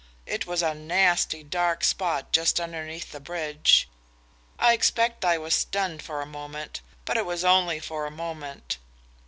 It was a nasty dark spot just underneath the bridge. I expect I was stunned for a moment, but it was only for a moment.